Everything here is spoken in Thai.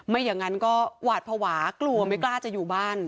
ไม่อย่างนั้นก็หวาดภาวะกลัวไม่กล้าจะอยู่บ้าน